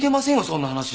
そんな話。